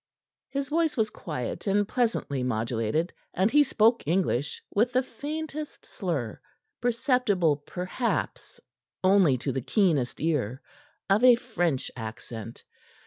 His voice was quiet and pleasantly modulated, and he spoke English with the faintest slur perceptible, perhaps, only to the keenest ear of a French accent.